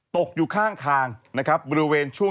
ตกอยู่ข้างทางนะครับบริเวณช่วง